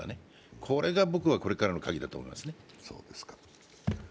これがこれからのカギだと思いますね。